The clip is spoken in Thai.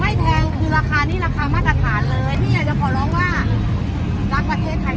แพงคือราคานี้ราคามาตรฐานเลยที่อยากจะขอร้องว่ารักประเทศไทย